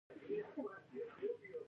د فراه تربوز سور او خوږ وي.